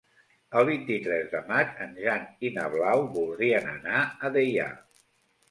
El vint-i-tres de maig en Jan i na Blau voldrien anar a Deià.